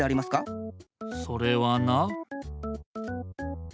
それはな。